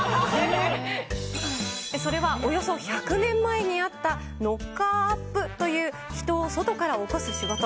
それはおよそ１００年前にあったノッカー・アップという人を外から起こす仕事。